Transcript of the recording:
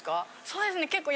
そうですね結構。